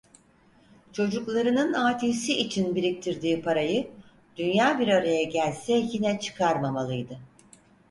Çocuklarının âtisi için biriktirdiği parayı, dünya bir araya gelse yine çıkarmamalıydı.